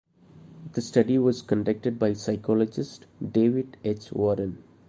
The study was conducted by psychologist David H. Warren.